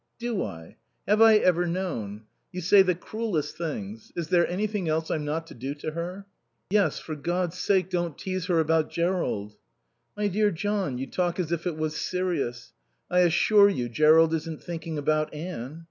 "Do I? Have I ever known? You say the cruellest things. Is there anything else I'm not to do to her?" "Yes. For God's sake don't tease her about Jerrold." "My dear John, you talk as if it was serious. I assure you Jerrold isn't thinking about Anne."